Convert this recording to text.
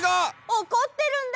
おこってるんだ！